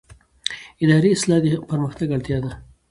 اداري اصلاح د پرمختګ اړتیا ده